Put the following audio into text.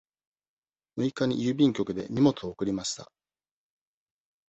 六日に郵便局で荷物を送りました。